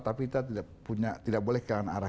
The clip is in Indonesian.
tapi kita tidak boleh kekelahanan arah